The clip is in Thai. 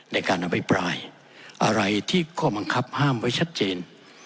ในการอภิปรายอะไรที่ข้อบังคับห้ามไว้ชัดเจน